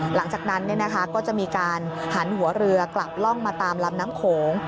หลังจากนั้นก็จะมีการหันหัวเรือกลับล่องมาตามลำน้ำโขง